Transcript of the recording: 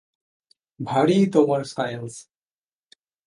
ভারি তোমার সায়ান্স!